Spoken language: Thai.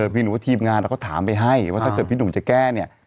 พี่หนูว่าทีมงานเราก็ถามไปให้ว่าถ้าเกิดพี่หนุ่มจะแก้เนี่ย